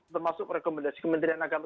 termasuk rekomendasi kementerian agama